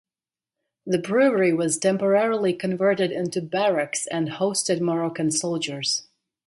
The brewery was temporarily converted into barracks and hosted Moroccan soldiers.